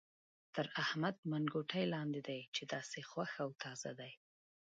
تر احمد منګوټی لاندې دی چې داسې خوښ او تازه دی.